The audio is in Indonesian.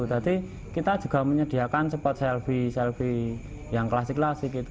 jadi kita juga menyediakan spot selfie selfie yang klasik klasik gitu